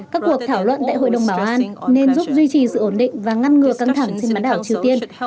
các cuộc thảo luận tại hội đồng bảo an nên giúp duy trì sự ổn định và ngăn ngừa căng thẳng trên bán đảo triều tiên